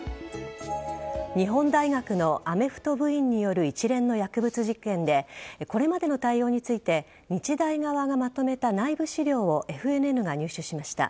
日本大学のアメフト部員による一連の薬物事件でこれまでの対応について日大側がまとめた内部資料をＦＮＮが入手しました。